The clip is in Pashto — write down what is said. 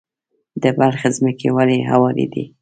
د بلخ ځمکې ولې هوارې دي؟